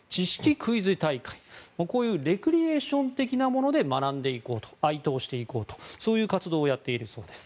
クイズ大会、こういうレクリエーション的なもので学んでいこうと愛党していこうとそういう活動をやっているそうです。